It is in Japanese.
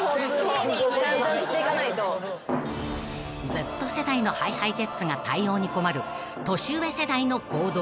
［Ｚ世代のＨｉＨｉＪｅｔｓが対応に困る年上世代の行動］